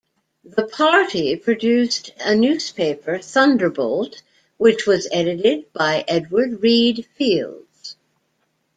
The party produced a newspaper, "Thunderbolt", which was edited by Edward Reed Fields.